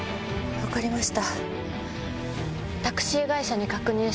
分かりました。